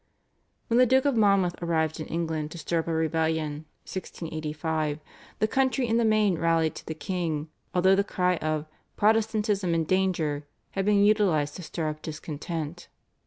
When the Duke of Monmouth arrived in England to stir up a rebellion (1685) the country in the main rallied to the king, although the cry of "Protestantism in danger" had been utilised to stir up discontent.